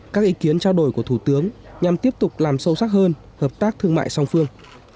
các ý kiến trao đổi của thủ tướng nhằm tiếp tục làm sâu sắc hơn hợp tác thương mại song phương